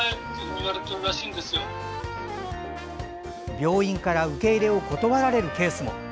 病院から受け入れを断られるケースも。